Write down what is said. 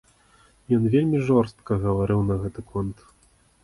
Ён вельмі жорстка гаварыў на гэты конт.